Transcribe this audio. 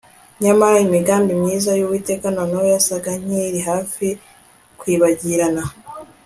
Nyamara imigambi myiza yUwiteka noneho yasaga nkiri hafi kwibagirana